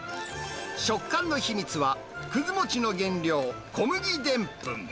食感の秘密は、くず餅の原料、小麦でんぷん。